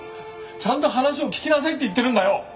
ちゃんと話を聞きなさいって言ってるんだよ！